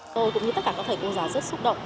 tôi cũng như tất cả các thầy cô giáo rất xúc động